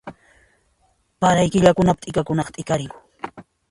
Paray killakunapi t'ikakuna t'ikarinku